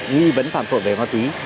nghi vấn phản phẩm về hoa túy